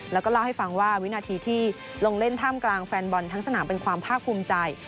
แล้วก็เล่าให้ฟังว่าวินาทีที่ลงเล่นท่ามกลางแฟนบอลทั้งสนามเป็นความภาคภูมิใจ